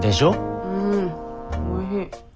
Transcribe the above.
うんおいしい。